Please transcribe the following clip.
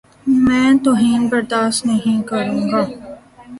میں توہین برداشت نہیں کروں گا۔